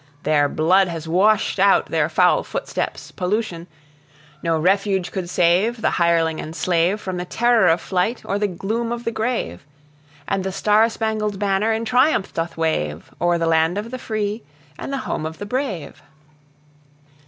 Their blood has washed out their foul footsteps, pollution. No refuge could save the hireling and slave From the terror of flight, or the gloom of the grave; And the star spangled banner in triumph doth wave O'er the land of the free, and the home of the brave.